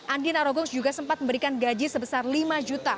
andi narogong juga sempat memberikan gaji sebesar lima juta